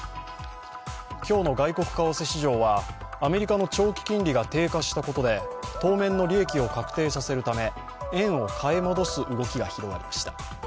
今日の外国為替市場はアメリカの長期金利が低下したことで当面の利益を確定させるため円を買い戻す動きが広がりました。